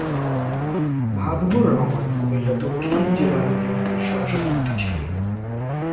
মাহবুবুর রহমান কুমিল্লা দক্ষিণ জেলা বিএনপির সহসভাপতি ছিলেন।